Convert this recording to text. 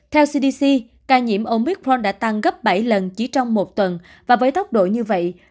theo cdc ca nhiễm omitron đã tăng gấp bảy lần chỉ trong một tuần và với tốc độ như vậy